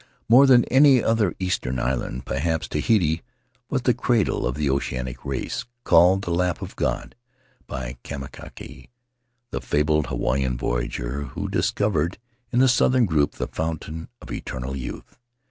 More than any other Eastern island, perhaps, Tahiti was the cradle of the oceanic race; called the Lap of God by Kamapiikai, the fabled Hawaiian voyager, who discovered, in the southern group, the fountain of eternal youth.